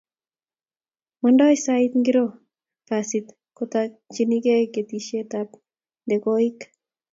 Mandoi sait ngiro basit kotakchinikei keteshiet ab ndekoik?